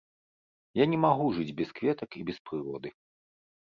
Я не магу жыць без кветак і без прыроды.